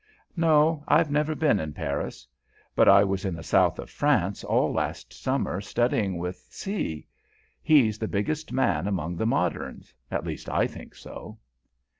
"No, I've never been in Paris. But I was in the south of France all last summer, studying with C . He's the biggest man among the moderns, at least I think so."